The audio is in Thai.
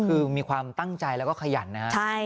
คือมีความตั้งใจแล้วก็ขยันนะครับ